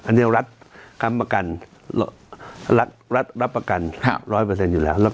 อันนี้รัฐรับประกัน๑๐๐เปอร์เซ็นต์อยู่แล้ว